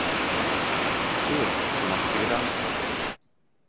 Ich sehe, du machst dir Gedanken.